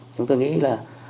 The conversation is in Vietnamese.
chúng tôi nghĩ là